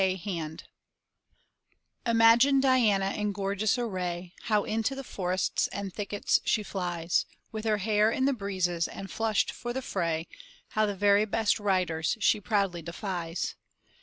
Sisina Imagine Diana in gorgeous array, How into the forests and thickets she flies, With her hair in the breezes, and flushed for the fray, How the very best riders she proudly defies.